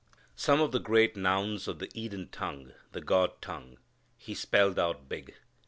Some of the great nouns of the Eden tongue the God tongue He spelled out big.